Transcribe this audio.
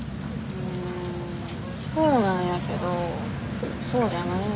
うんそうなんやけどそうじゃないんよ。